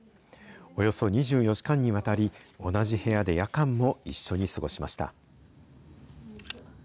およそ２４時間にわたり、同じ部屋で夜間も一緒に過ごしました。